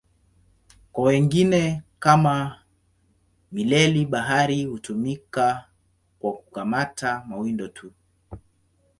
Kwa wengine, kama mileli-bahari, hutumika kwa kukamata mawindo tu.